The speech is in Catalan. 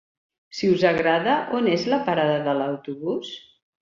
Si us agrada, on és la parada de l'autobús?